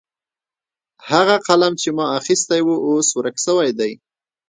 هغه قلم چې ما اخیستی و اوس ورک سوی دی.